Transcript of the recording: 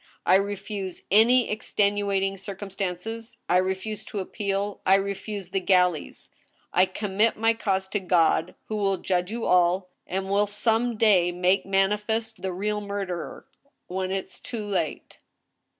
I refuse any extenuating circumstances, I refuse to appeal, I refuse the galleys. I commit my cause to God who will judge you all, and will some day make manifest the real murderer, when it is too late."